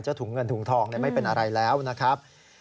ถุงเงินถุงทองไม่เป็นอะไรแล้วนะครับ